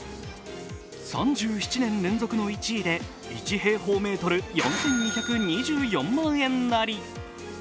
３７年連続の１位で１平方メートル４２２４万円なり。